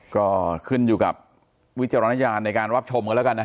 ก็ขึ้นอยู่กับวิจารณญาณในการรับชมกันแล้วกันนะฮะ